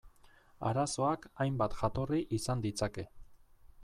Arazoak hainbat jatorri izan ditzake.